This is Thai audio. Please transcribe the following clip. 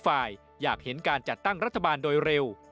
ฝ่ายอยากเห็นการจัดตั้งรัฐบาลโดยเร็ว